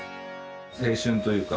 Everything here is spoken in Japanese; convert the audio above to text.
青春というか。